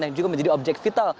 yang juga menjadi objek vital